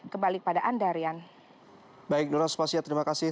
kembali pada anda rian